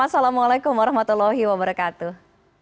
assalamualaikum warahmatullahi wabarakatuh